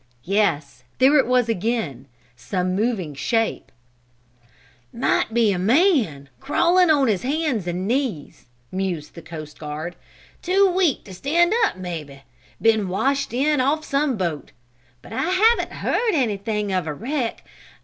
Yes, there it was again some moving shape. [Illustration: "Why, it's a dog! A puppy!"] "Might be a man crawling on his hands and knees," mused the coast guard. "Too weak to stand up, maybe. Been washed in off some boat. But I haven't heard anything of a wreck.